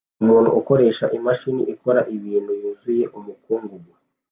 Umuntu ukoresha imashini ikora ibiti yuzuye umukungugu